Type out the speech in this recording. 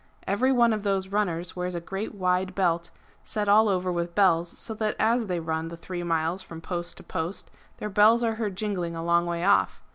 Every one of those runners v/ears a great wide belt, set all over with bells, so that as they run the three miles from post to post their bells are heard jingling a long way off.